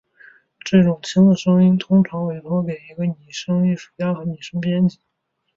这种轻的声音通常委托给一个拟音艺术家和拟音编辑。